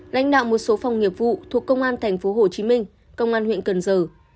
lãnh đạo một số phòng nghiệp vụ thuộc công an tp hcm công an huyện cần giờ